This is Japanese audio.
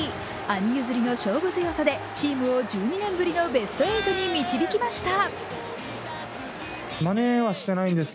兄譲りの勝負強さでチームを１２年ぶりのベスト８に導きました。